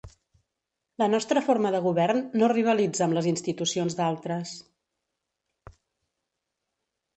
La nostra forma de govern no rivalitza amb les institucions d'altres.